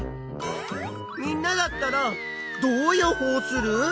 みんなだったらどう予報する？